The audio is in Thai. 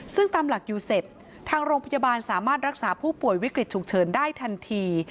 ซึ่งตามหลักอยู่เสร็จทางโรงพยาบาลสามารถรักษาผู้ป่วยวิกฤตฉุกเฉินได้ทันที